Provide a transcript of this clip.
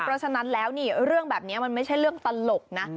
เพราะฉะนั้นแล้วนี่เรื่องแบบนี้มันไม่ใช่เรื่องตลกนะ